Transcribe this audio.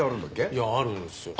いやあるんですよ。